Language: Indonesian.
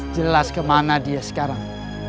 jelas kemana dia sekarang